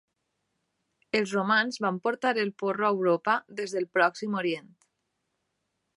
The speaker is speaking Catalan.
Els romans van portar el porro a Europa des del Pròxim Orient